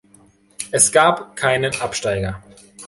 Es gab keinen Absteiger.